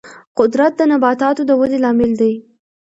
قدرت د نباتاتو د ودې لامل دی.